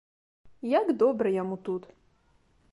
Як добра яму тут!